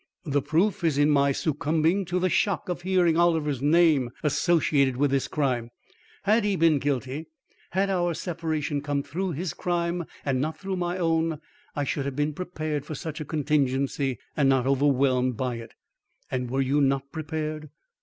"The proof is in my succumbing to the shock of hearing Oliver's name associated with this crime. Had he been guilty had our separation come through his crime and not through my own, I should have been prepared for such a contingency, and not overwhelmed by it." "And were you not prepared?"